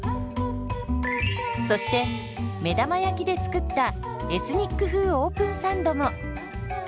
そして目玉焼きで作ったエスニック風オープンサンドも。